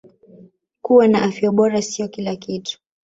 Kuwa na afya bora sio kila kitu